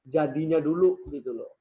jadinya dulu gitu loh